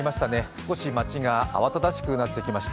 少し街が慌ただしくなってきました。